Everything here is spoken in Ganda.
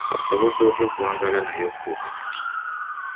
Osobodde otya okuwangaala naye okutuuka kati?